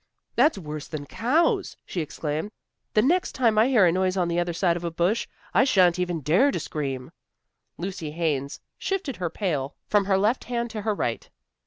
"That's worse than cows!" she exclaimed. "The next time I hear a noise on the other side of a bush, I shan't even dare to scream." Lucy Haines shifted her pail from her left hand to her right.